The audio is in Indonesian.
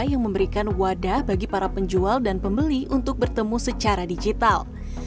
yang memberikan wadah bagi para penjual dan pembeli untuk bertemu secara digital